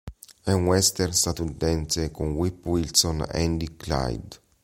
È un western statunitense con Whip Wilson e Andy Clyde.